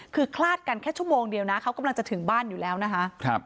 คือคลาดกันแค่ชั่วโมงเดียวนะเขากำลังจะถึงบ้านอยู่แล้วนะคะ